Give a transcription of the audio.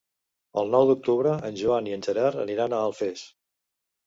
El nou d'octubre en Joan i en Gerard aniran a Alfés.